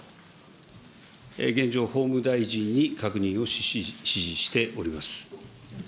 現状、法務大臣に確認を指示しております。